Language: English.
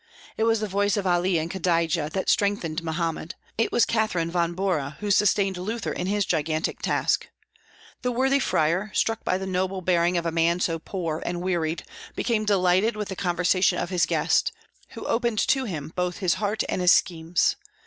It was the voice of Ali and Cadijeh that strengthened Mohammed. It was Catherine von Bora who sustained Luther in his gigantic task. The worthy friar, struck by the noble bearing of a man so poor and wearied, became delighted with the conversation of his guest, who opened to him both his heart and his schemes.